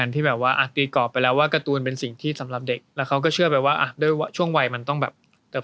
ถ้าหว่างลองไปเปิดดูก็ได้